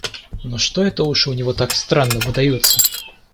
Но что это уши у него так странно выдаются!